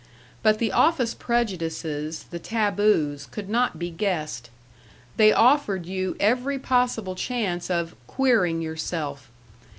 But the office prejudices, the taboos, could not be guessed. They offered you every possible chance of "queering yourself."